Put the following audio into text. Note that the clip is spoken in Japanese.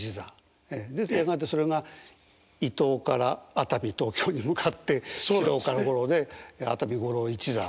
でやがてそれが伊東から熱海東京に向かって四朗から五郎で熱海五郎一座。